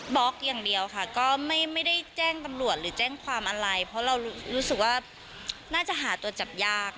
ล็อกอย่างเดียวค่ะก็ไม่ได้แจ้งตำรวจหรือแจ้งความอะไรเพราะเรารู้สึกว่าน่าจะหาตัวจับยาก